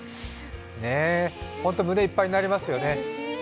胸いっぱいになりますよね。